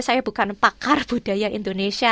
saya bukan pakar budaya indonesia